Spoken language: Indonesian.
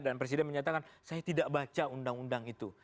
dan presiden menyatakan saya tidak baca undang undang itu